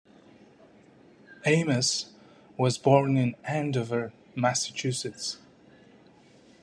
Ames was born in Andover, Massachusetts.